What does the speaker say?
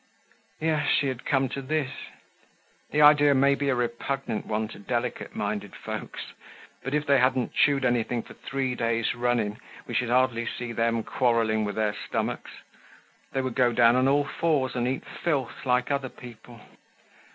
Yes, she had come to this. The idea may be a repugnant one to delicate minded folks, but if they hadn't chewed anything for three days running, we should hardly see them quarreling with their stomachs; they would go down on all fours and eat filth like other people.